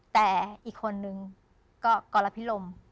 แต่อีกคนนึงก็กรพิรม